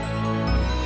pusang lah pusang lah